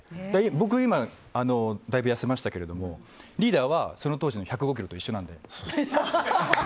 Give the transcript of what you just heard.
僕、今、大分痩せましたけどリーダーは、その当時の１０５ｋｇと一緒なので。